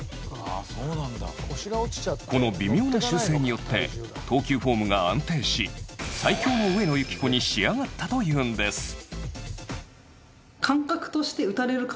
この微妙な修正によって投球フォームが安定し最強の上野由岐子に仕上がったというんです。